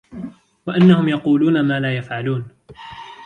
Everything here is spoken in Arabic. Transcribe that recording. وَأَنَّهُمْ يَقُولُونَ مَا لَا يَفْعَلُونَ